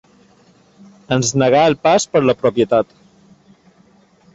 Ens negà el pas per la propietat.